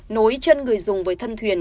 nối chân người dùng với thân thuyền